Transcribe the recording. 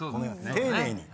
丁寧に。